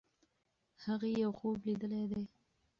هغې یو خوب لیدلی دی.